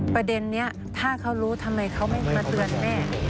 ประเด็นนี้ถ้าเขารู้ทำไมเขาไม่มาเตือนแม่